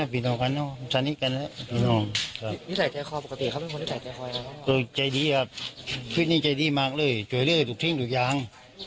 พี่นี่ใจดีมากเลยจ่วยเหลือทุกทิศทุกอย่าง